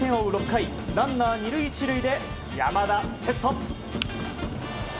６回ランナー２塁１塁で山田哲人。